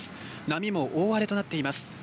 波も大荒れとなっています。